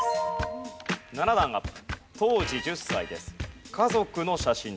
７段アップ。